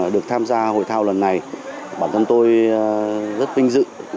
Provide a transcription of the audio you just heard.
được tham gia hội thao lần này bản thân tôi rất vinh dự